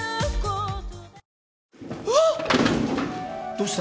どうした？